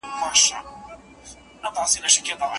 احترام به له منځه ولاړ نه سي.